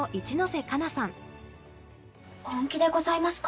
本気でございますか？